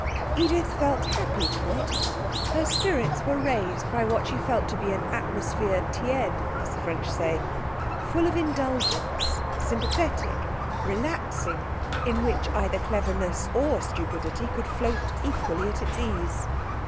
Edith felt happy tonight; her spirits were raised by what she felt to be an atmosphere tiède, as the French say; full of indulgence, sympathetic, relaxing, in which either cleverness or stupidity could float equally at its ease.